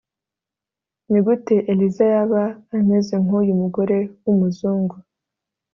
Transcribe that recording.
nigute eliza yaba ameze nkuyu mugore wumuzungu